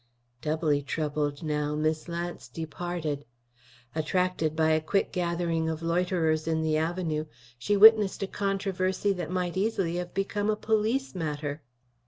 Doubly troubled now, Miss Lance departed. Attracted by a quick gathering of loiterers in the avenue, she witnessed a controversy that might easily have become a police matter.